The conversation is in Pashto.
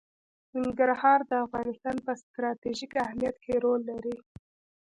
ننګرهار د افغانستان په ستراتیژیک اهمیت کې رول لري.